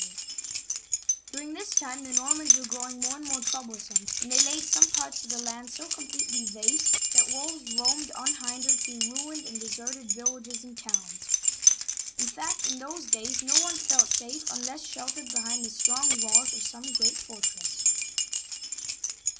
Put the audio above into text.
Digitized by Google CHARLES II., THE FAT (884 88>) 93 During this time, the Normans were growing more and more troublesome, and they laid some parts of the land so completely waste that wolves roamed unhindered through ruined and deserted villages and towns. In fact, in those days, no one felt safe unless sheltered behind the strong walls of some great fortress.